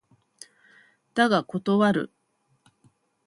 だが断る。